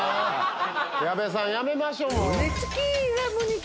矢部さんやめましょう！